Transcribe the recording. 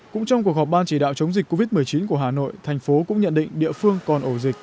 cũng trong cuộc họp ban chỉ đạo chống dịch covid một mươi chín của hà nội thành phố cũng nhận định địa phương còn ổ dịch